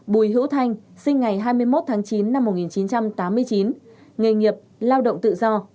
bùi hữu thanh sinh ngày hai mươi một tháng chín năm một nghìn chín trăm tám mươi chín nghề nghiệp lao động tự do